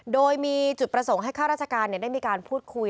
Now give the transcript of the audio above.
โดยมีจุดประสงค์ให้ข้าราชการได้มีการพูดคุย